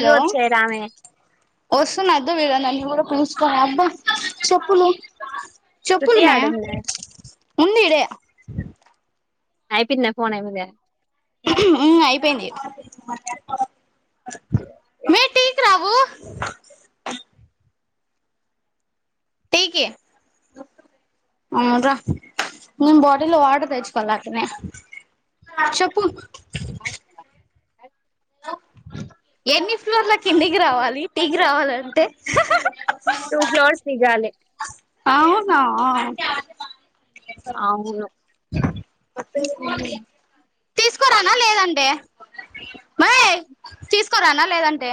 ఈవొచ్చుగామే వస్తున్న అద్ద వీడం న అన్నీ కూడా పిల్సుకొని అబ్బా చెప్పులు శృతి చెప్పులుమే ఆడుందా ఉంది ఇడే ఇ అయిపోందింద ఫోన్యి మీద ఉ అయిపోయింది మే టీకి రావు టీకి రా నేన్ బాటిల్ లో వాటర్ తెచ్చుకోవాలా అట్లానే చెప్పు ఆ ఎన్ని ఫ్లోర్ల కిందికి రావాలి టీకి రావాలంటే టూ ఫ్లోర్స్ దిగాలి అ అవునా అవును తీసుకోరానా లేదంటే మరి తీసుకోరానా లేదంటే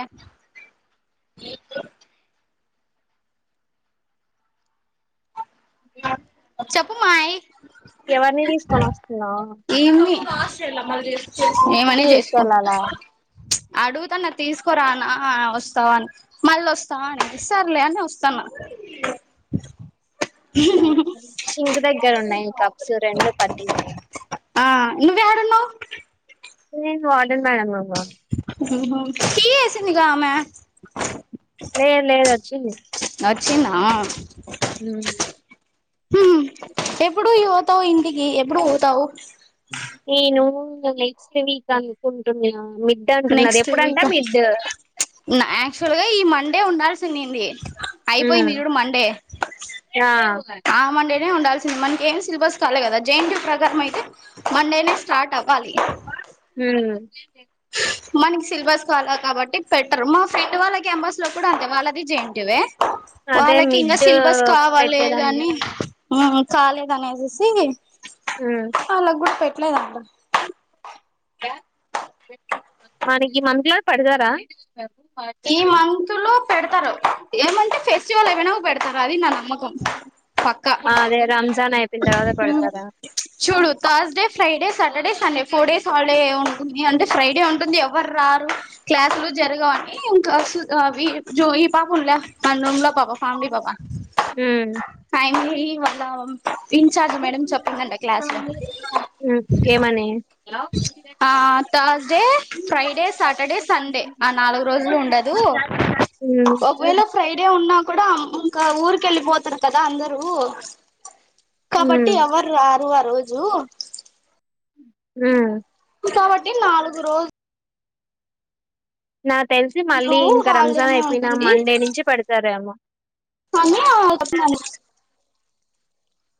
ఇ చెప్పు మాయ ఎవరిని తీసుకొని వస్తున్నా ఏమి ఆసయ అలా మల చేస్తా ఏమనే చేసుకో తీసుకెళ్ళాలా అడుగుతన్న తీసుకురానా వస్తావా అని మళ్ళీ వస్తావా అండి సర్లే అని వస్తాను సరే సరే సింక్ దగ్గర ఉన్నాయి కప్స్ రెండు పట్లు ఆ నువాడున్నావ్ నేను మేడం నువ్వు సి ఆమె లే లే అచ్చ చినా అ ఎప్పుడు యువత అయింది ఇకి ఎప్పుడు పోతావు నేను నెక్స్ట్ వీక్ అనుకుంటున్నా మిడ్ అంటున్నారు నెక్స్ట్ ఎప్పుడంట వీక్ మిడ్ ఆక్చువల్గా ఈ మ అంటే ఉండాల్సిందిండి అయిపోయిందిడు మండే ఆ ఆ మండే ఉండాల్సింది మనకి ఏం సిలబస్ కాలే కదా జె ప్రకారం అయితే మన్ డేనే స్టార్ట్ అవ వాలి మనకి సిలబస్ కావాలా కాబట్టి బెటర్ మా ఫ్రెండ్ వాళ్ళ కెంబస్ లో కూడా అంతే వాళ్ళది జంటివే అదే వాళ్ళకి ఇంకా మిడ్ సిలబస్ పెట్టేదాన్ని కావాలిదని ఉ కాలేద అనేసేసి అలాగ గుడు పెట్ ఎట్లా సద్ద మనకి మమలారు పడతారా ఈ మంతులు పెడతారు ఏమంత సివాల వినవు పో పెడుతార అదది నా నమ్మకం అదే రంజాన్ ఆయి ఆ చూడు తర్స్ డే ఫ్రై Friday Saturday Sunday four days holiday ఉంటుంది అంటే ఫ్రైడే ఉంటుంది ఎవరు రారు క్లాసులు జరగ అని ఇంకా జో ఈ పాప ఉందా అ రుమ్లో పబ ఫ్యామిలీ పబా ఉమ్ ఫైమి వాళ్ల ఇన్ఛార్జ్ మేడం చెప్పందంట క్లాస్ లో ఉమ్ ఏమని ఆ థర్స్డే ఫ్రైడే సాటర్డే సండే ఆ నాలుగు రోజులు ఉండదు ఉమ్ ఒకవేళ ఫ్రైడే ఉన్నా కూడా కా ఊరికి పోతురు కదా అందరు ఉమ్ కబడ్డీ అవరు ఆరువ రజ హలో ఆ కాబట్టి నాలుగు రోజులు నా హల్డేనే ఉంటుంది మండే నుంచి పెడతారేమో కని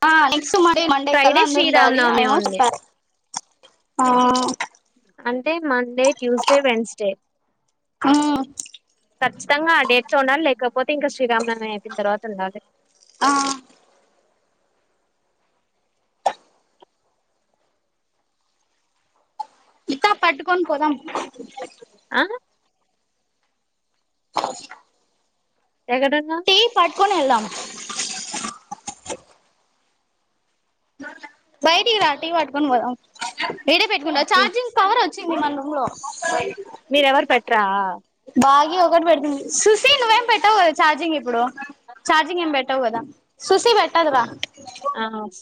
ఆ సారీ మండేకళ్ల ఫ్రైడే అందురుండాలి అయ శ్రీరామనవమి ఉంది అంటే మ డే ట్యూస్డే వెన్స్డే ఆ ఖచ్చితంగా ఆ డేట్ లో ఉండాలి లేకపోతే ఇంకా శ్రీరామనవమి అయిపోయిన తర్వాత ఉండాలి ఆ ఇక్కా పట్టుకని పోదాం ఆ ఎక్కడున్నావ్ టీ పట్టుకుని వెళ్దం బయటికి రా టీ పట్టుకొని పోదాం వేడే పెట్టుకుంట చార్జింగ్ పవర్ వచ్చింది మన రూమ్ లో మీరెవరు పెట్రా బా ఒకటి పెడుతుంది సుసీ నువ్వేం పెట్టవు కదా ఛార్జింగ్ ఇప్పుడు చార్జింగ్ ఏం పెట్టవు కదా సుసీ పెట్టదురా ఆ స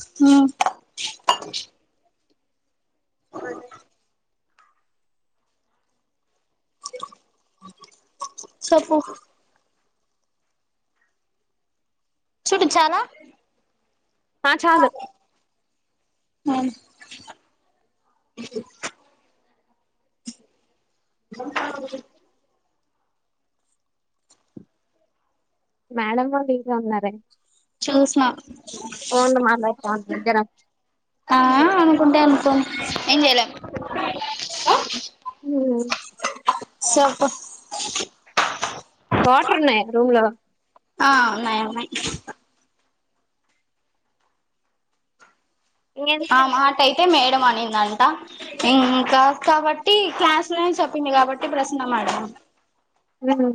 అ [unintelligible] చెప్పు చూపించాలా ఆ చాలు అ మేడమ్‌ వాళ్లు ఇంకా ఉన్నార చూస ఫోన్లు మాట్లాడు [unintelligible] ఆ అనుకుంటే ఏం చేయలేం హు సోప్పు వాటర్ ఉన్నాయా రూమ్ లో ఆ ఉన్నాయి ఉన్నాయి ఆ మాట అయితే మేడమ్ అనింది అంట ఇంకా కాబట్టి క్లాస్ లో చెప్పింది కాబట్టి ప్రసన్న మేడం హు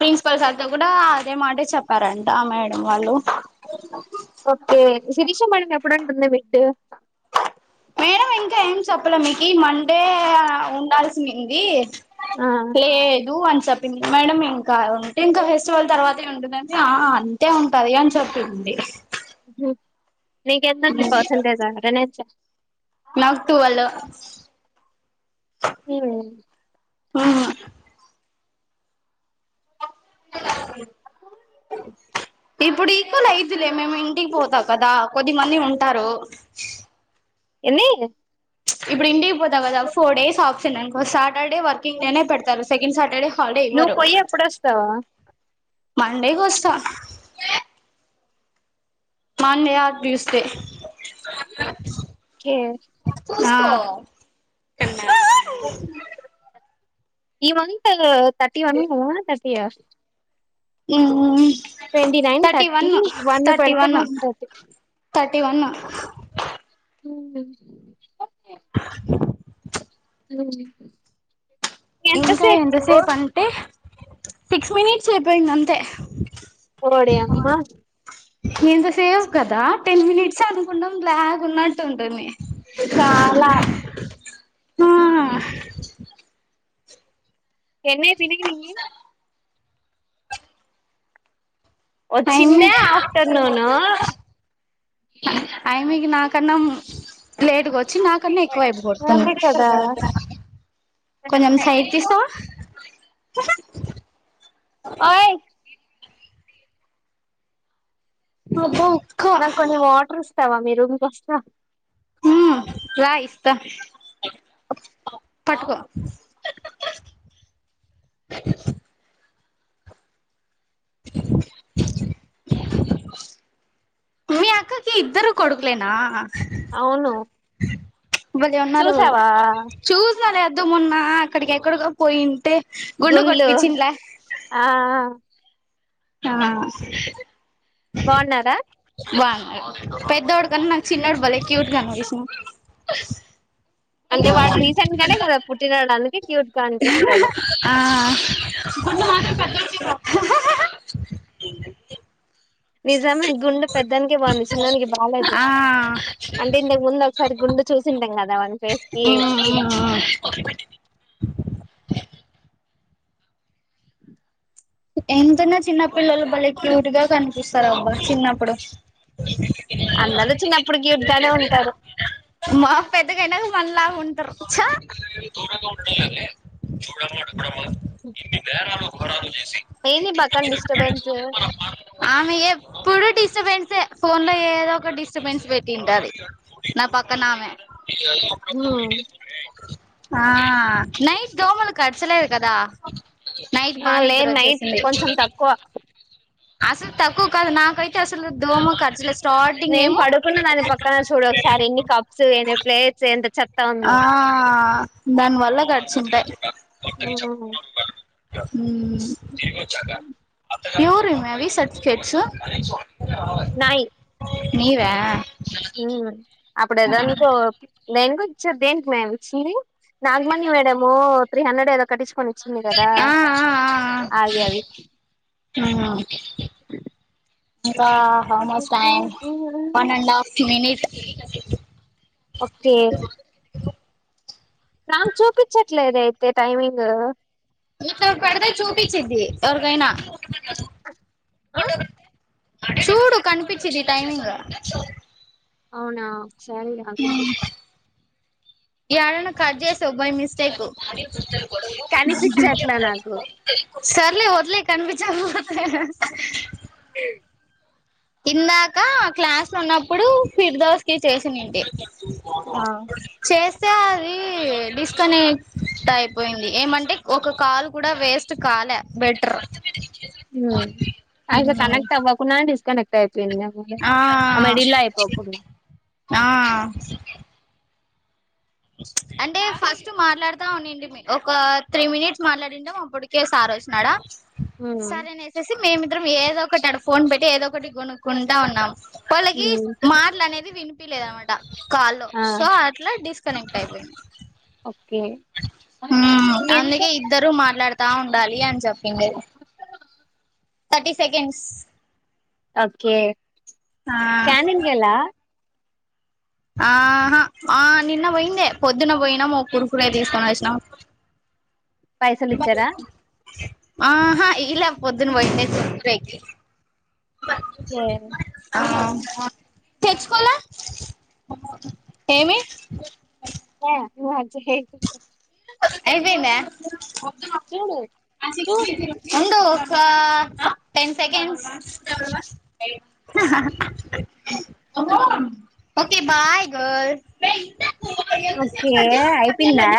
ప్రిన్సిపల్ సార్తో కూడా అదే మాటే చెప్పారంట మేడం వాళ్ళు ఓకే శిరీష మేడం ఎప్పుడు అంటుంది మిడ్డు మేడం ఇంకా ఏం చెప్పలే మీకి మండే ఉండాల్సింది ఆ లేదు అని చెప్ మేడం ఇంకా ఉంటే ఇంకా ఫెస్టివల్ తర్వాత ఏ ఉంటుందని అంతే ఉంటది అని చెప్పింది హ్మ్మ్ నీకు ఎంత ఉంది పర్సంటేజ్ అటెండెన్స్ నాకు టువ్వల్ హు హు ఇప్పుడు ఈక్వల్ అయితు మేము ఇంటికి పోతా కదా కొద్ది మంది ఉంటారు ఎన్ని ఇప్పుడు ఇంటికి పోతా కదా ఫోర్ డేస్ ఆప్షన్ ఓ సారీ సాటర్డే వర్కింగ్ డేనే పెడతారు సెకండ్ సాటర్డే హాలిడే నువ్వు ఇవ్వరు పోయి ఎప్పుడొస్తావు మండే కోస్తా మండే ఆర్ ట్యూస్ డే ఒకే తిన్న ఈ మంత్ తర్టీ వన్ పోవ ఏ హాస్టల్ ఉహు ట్వంటీ నైన్ థర్టీ వన్ పెడితే బాగుంటది థర్టీ వన్ ఉ హు ఇంకా ఎంతసేపు అంటే సిక్స్ మినిట్స్ అయిపోయింది అంతే ఓడి అమ్మా ఇంత సేపు కదా టెన్ మినిట్స్ అ కుండం బ్లాక్ ఉన్నట్టు ఉంటుంది చాలా ఆ ఎన్న పినగి న టైమే వచ్చిందే ఆఫ్టర్నూన్ ఆమెకి నాకన్న లేట్గా వచ్చి నాకన్నా ఎక్కువ అయిపు కొడుతుంది అదే కదా కొంచెం సైట్ తీస్తావా ఓయ్ అబా అక్కా స్తావా మీ రుూమ్కొస్తా హ్మ్ రా ఇస్తా పట్కో మీ అక్కకి ఇద్దరు కొడుకులేనా అవును భలే చూసావా దు మొన్నా అక్కడికి ఎక్కడకో పోయింటే గుండు గుండ్లు కొట్టిపిచ్చిండ్లే ఆ ఆ బాన్నారా పెద్దోడు కన్నా నాకు చిన్నోడు బలే క్యూట్ గా అనిపిస్ అంటే వాడు రీసెంట్ గానే కదా పుట్టినడానికి క్యూట్ గా అనిపిస్తాడు ఆ అ నిజమే ఈ గుండు పెద్దోనికే బాంది చిన్నోనికి బాలేదు ఆ అంటే ఇంతకు ముందు ఒకసారి గుండు చూసింటాం కదా వాన్ ఫే హ్మ్ హ్మ్మ్ ఎంతున్నా చిన్నపిల్లలు భలే క్యూట్ గా కనిపిస్తారు అబ్బా చిన్నప్పుడు అందరూ చిన్నప్పుడు క్యూట్ గానే ఉంటారు మన్ లాగ ఉంటారు చా ఏంది పక్కన డిస్టర్బెన్స్ ఆమే ఎప్పుడు డిస్టర్బెన్సే ఫోన్ లో ఏదో ఒక డిస్ డిస్ట్రబెన్స్ పెట్టింటాది నా పక్కనామే ఆ ఆ నైట్ దోమలు కరచలేదు కదా నైట్ బా నిద్దర వచ్చేసింది కొంచం తక్కువ అసలు తక్కువ కాదు నాకైతే అసలు దోమ ఖర్చ లేదు నేను పడుకున్న దాని పక్కన చూడు ఒకసారి ఎన్ని కప్స్ ఎన్ని ప్లేట్స్ ఎంత చ ఆ దాని వల్ల కర్చింటాయ్ ఆహ ఉమ్ ఎవరు మే అవీ సర్టిఫికెట్స్ న నీవే ఉమ్ అప్పుడేదనుకో దేనికో ఇచి దేనికి మే అవి ఇచ్చింది నాగమణి మేడము త్రీ హండ్రెడ్ ఏదో కట్టించుకొని ఇచ్చింది కదా ఆ ఆ ఆ అవి అవి ఆ ఆ ఆ how much time one and half minute ఇ ఒకే నాకు చూపించట్లేదు అయితే టైమింగ్ పడితే చూపించింది ఎవరికైనా ఆ చూడు కనిపించింది టైమింగ్ అవునా సారి అంతు చూస్తా ఏడైనా కట్ చేసావ్ బై మిస్టేక్ కనిపించట్లా నాకు సర్లే వదిలేయ్ కనిపించక పో [inaudible] [inaudible] ఇందాక క్లాస్ లో ఉన్నప్పుడు ఫిర్దోస్ కి చేసినింటి ఆ చేస్ వస్తే అది డిస్కనెక్ట్ అయిపోయింది ఏమంటే ఒక కాల్ కూడా వేస్ట్ కాలే బెటర్ హమ్ అసలు కనెక్ట్ అవకూడనే డిస్కనెక్ట్ అయిపోయింది నా మొబైల్. ఆ మిడిల్ లో అయిపోకుండా ఆ అంటే ఫస్ట్ మాట్లాడుతా ఉనిండి ఒక త్రీ మినిట్స్ మాట్లాడింటే మాప్పుడికే సార్ వచ్చినాడా మ్మ్. సరేనిప్పేసి మేమి అందర ఏదో ఒకటి అడ ఫోన్ పెట్టి ఏదో ఒకటి కొనుక్కుంటా ఉన్నాం వాళ్ళకి మ్మ్. మాట్లు అనేది విను ప లేదనమాట కాలో ఆ, సో అట్లా డిస్ కనెక్ట్ అయితే ఓకే అందుగ ఇద్దరు మాట్లాడత తా ఉండాలయను చెప్పింది థర్టీ సెకండ్స్ ఓకే ఆ క్యాండల్ గలా ఆహా ఆ నిన్న పోయిందే పొద్దున్న పోయినాము కురుకురే తీసుకొని వచ్చినాం పైసలు ఇచ్చారా ఆహా ఇలా పొద్దున్ వయనేయికి ఏ ఆ తెచ్చుకోల ఏమి మాజ హ అయిపోయింది చూడు చూడు ఉండు ఆ సెకండ్ ఓకే బాయ్ గల్స్ పన్న